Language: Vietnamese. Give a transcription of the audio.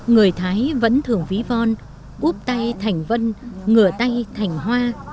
người thái vẫn thường ví von úp tay thành vân ngửa tay thành hoa